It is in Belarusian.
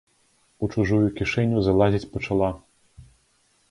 У чужую кішэню залазіць пачала.